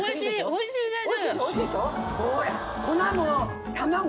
おいしい！